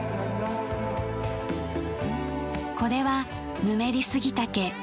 これはヌメリスギタケ。